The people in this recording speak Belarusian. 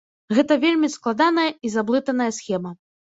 Гэта вельмі складаная і заблытаная схема.